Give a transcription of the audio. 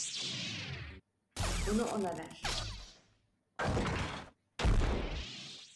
Bunu ona ver.